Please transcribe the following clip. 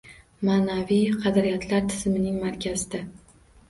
Ma’naviy qadriyatlar tizimining markazida.